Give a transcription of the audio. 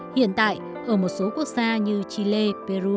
hiện tại ở một số quốc gia như chile peru